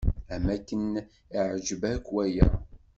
Am akken iɛǧeb-ak waya.